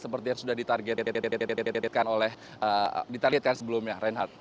seperti yang sudah ditargetkan sebelumnya reinhardt